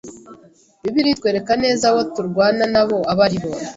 ’’ Bibiliya itwereka neza abo turwana nabo abo ari bo: